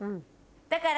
だから。